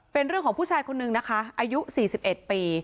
เป็นเรื่องของผู้ชายคนนึงนะคะอายุ๔๑ปี